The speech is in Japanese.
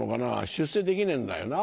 出世できねえんだよな。